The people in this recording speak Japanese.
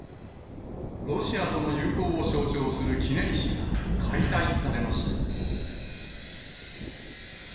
ロシアとの友好を象徴する記念碑が解体されました。